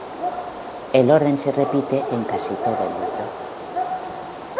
El orden se repite en casi todo el libro.